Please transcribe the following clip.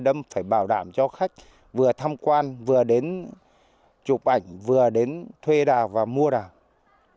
đâm phải bảo đảm cho khách vừa tham quan vừa đến chụp ảnh vừa đến thuê đào và mua đào